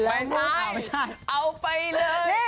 ไปซ้ายเอาไปเลย